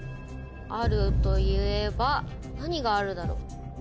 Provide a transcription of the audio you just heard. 「ある」といえば何があるだろう。